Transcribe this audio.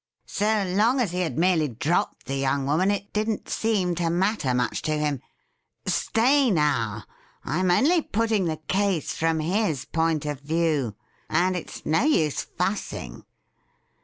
So long as he had merely dropped the young woman, it didn't seem to matter much to him. Stay, now ; I'm only putting the case from his point of view, and it's no use fussing.